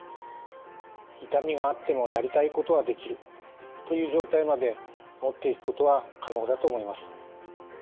痛みがあってもやりたいことはできるという状態まで持っていくことは可能だと思います。